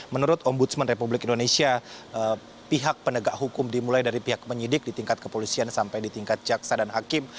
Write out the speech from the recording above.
menurut ombudsman republik indonesia pihak penegak hukum dimulai dari pihak penyidik di tingkat kepolisian sampai di tingkat jaksa dan hakim